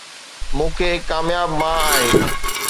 مون کي هڪ ڪامياب ماء آهي